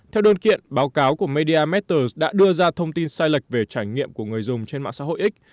theo đơn kiện báo cáo của media masters đã đưa ra thông tin sai lệch về trải nghiệm của người dùng trên mạng xã hội x